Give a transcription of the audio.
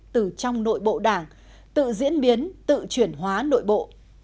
từ trong nội bộ đảng tự diễn biến tự chuyển hóa nội bộ